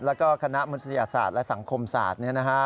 แล้วก็คณะมนุษยศาสตร์และสังคมศาสตร์